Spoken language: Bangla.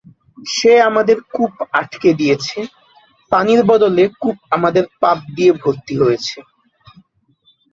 সে আমাদের কূপ আটকে দিয়েছে, পানির বদলে কূপ আমাদের পাপ দিয়ে ভর্তি হয়েছে।